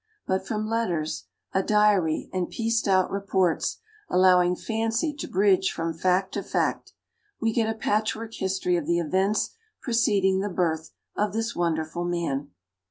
But from letters, a diary and pieced out reports, allowing fancy to bridge from fact to fact, we get a patchwork history of the events preceding the birth of this wonderful man.